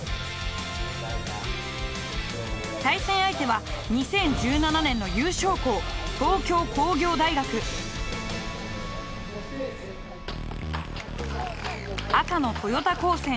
対戦相手は２０１７年の優勝校赤の豊田高専